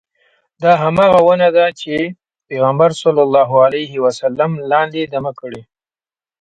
دا همغه ونه ده چې پیغمبر صلی الله علیه وسلم لاندې دمه کړې.